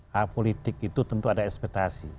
hak politik itu tentu ada ekspektasi